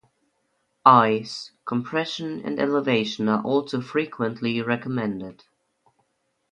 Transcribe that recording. Ice, compression and elevation are also frequently recommended.